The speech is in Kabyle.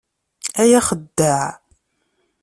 A axeddaɛ!